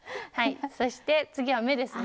そして次は目ですね。